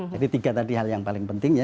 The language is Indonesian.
jadi tiga tadi hal yang paling penting ya